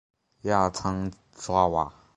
亚参爪哇。